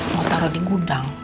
mau taruh di gudang